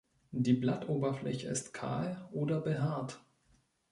Die Blattoberfläche ist kahl oder behaart.